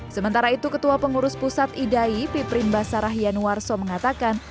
sementara itu ketua pengurus pusat idai piprim basarah yanuarso mengatakan